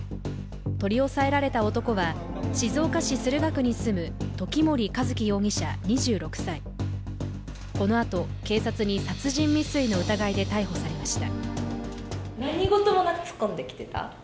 取り押さえられた男は静岡市駿河区に住む時森一輝容疑者２６歳、このあと警察に殺人未遂の疑いで逮捕されました。